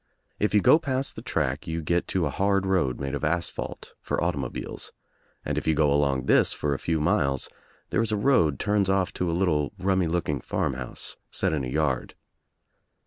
If you go past the track you get to a hard road made of asphalt for automobiles, and if you go along this for a few roiles there is a road turns off to a little rummy looking farm house set in a yard.